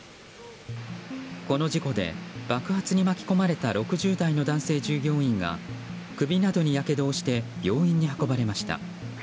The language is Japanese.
この事故で爆発に巻き込まれた６０代の男性従業員が首などにやけどをして病院に運ばれました。